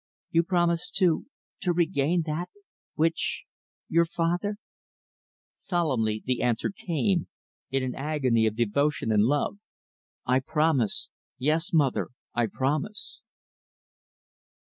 "You promise to to regain that which your father " Solemnly the answer came, in an agony of devotion and love, "I promise yes, mother, I promise."